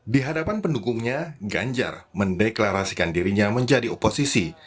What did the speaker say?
di hadapan pendukungnya ganjar mendeklarasikan dirinya menjadi oposisi